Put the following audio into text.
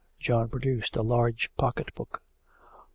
John produced a large pocket book.